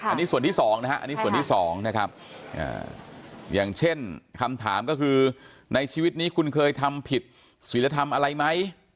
อันนี้ส่วนที่สองนะครับอย่างเช่นคำถามก็คือในชีวิตนี้คุณเคยทำผิดศีลธรรมอะไรไหม